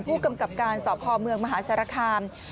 ผู้กำกับการสคมหาศาลคาร์ม